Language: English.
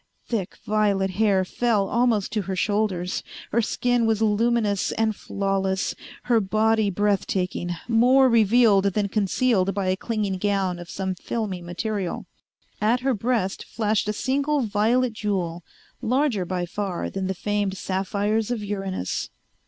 Thick violet hair fell almost to her shoulders, her skin was luminous and flawless, her body breathtaking, more revealed than concealed by a clinging gown of some filmy material. At her breast, flashed a single violet jewel larger by far than the famed sapphires of Uranus.